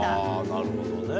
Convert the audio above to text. なるほどね。